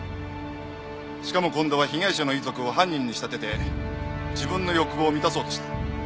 しかも今度は被害者の遺族を犯人に仕立てて自分の欲望を満たそうとした。